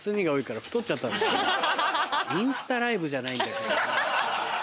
インスタライブじゃないんだから。